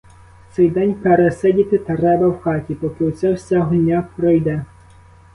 Цей день пересидіти треба в хаті, поки оця вся гульня пройде.